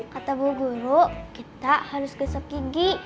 kata bu guru kita harus gesep gigi